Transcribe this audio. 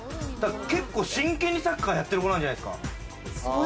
結構真剣にサッカーやってる子なんじゃないですか？